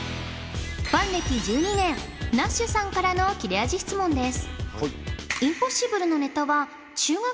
ファン歴１２年ナッシュさんからの切れ味質問です